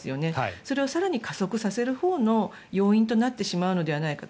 それを更に加速させるほうの要因となってしまうんじゃないかと。